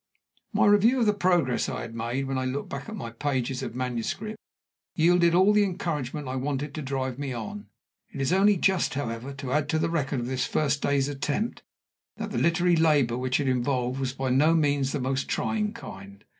My review of the progress I had made, when I looked back at my pages of manuscript, yielded all the encouragement I wanted to drive me on. It is only just, however, to add to the record of this first day's attempt, that the literary labor which it involved was by no means of the most trying kind.